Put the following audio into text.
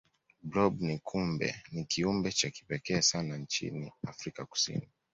blob ni kiumbe cha kipekee sana nchini afrika kusini